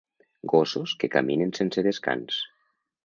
Gossos que caminen sense descans.